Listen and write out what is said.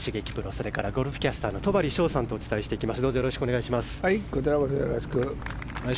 それからゴルフキャスターの戸張捷さんとお伝えします。